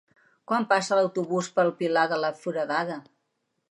Quan passa l'autobús per el Pilar de la Foradada?